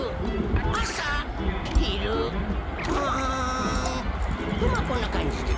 「あさひるばん」とまあこんなかんじで。